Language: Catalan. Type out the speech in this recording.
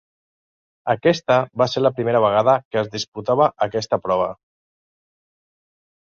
Aquesta va ser la primera vegada que es disputava aquesta prova.